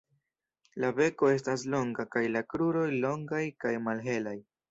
La beko estas longa kaj la kruroj longaj kaj malhelaj.